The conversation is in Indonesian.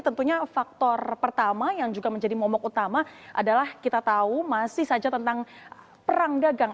tentunya faktor pertama yang juga menjadi momok utama adalah kita tahu masih saja tentang perang dagang